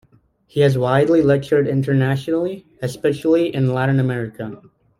He has widely lectured internationally, especially in Latin America.